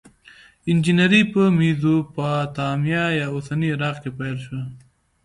انجنیری په میزوپتامیا یا اوسني عراق کې پیل شوه.